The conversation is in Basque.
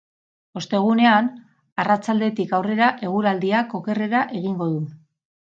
Ostegunean, arratsaldetik aurrera eguraldiak okerrera egingo du.